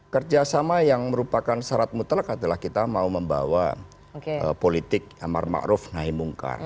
kerjasama yang merupakan syarat mutlak adalah kita mau membawa politik amar ma'ruf naimungkar